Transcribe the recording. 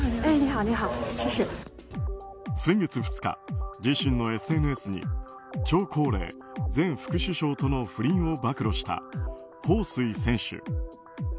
先月２日、自身のＳＮＳにチョウ・コウレイ前副首相との不倫を暴露したホウ・スイ選手。